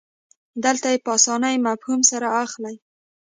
دلته یې په اسانه مفهوم سره اخلئ.